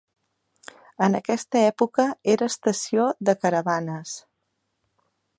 En aquesta època era estació de caravanes.